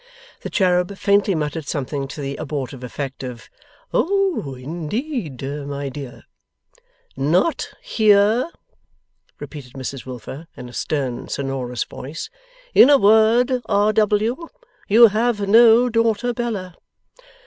The cherub faintly muttered something to the abortive effect of 'Oh, indeed, my dear!' 'Not here,' repeated Mrs Wilfer, in a stern sonorous voice. 'In a word, R. W., you have no daughter Bella.